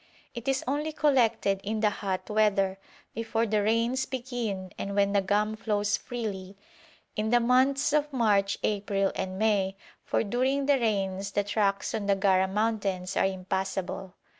It is only collected in the hot weather, before the rains begin and when the gum flows freely, in the months of March, April, and May, for during the rains the tracks on the Gara mountains are impassable.